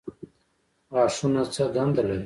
غاښونه څه دنده لري؟